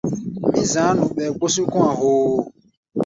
Mí za̧á̧ nu ɓɛɛ gbó sí kɔ̧́-a̧ hoo.